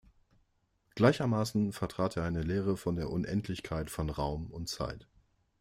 Gleichermaßen vertrat er eine Lehre von der Unendlichkeit von Raum und Zeit.